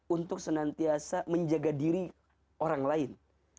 untuk senantiasa menjaga diri orang lain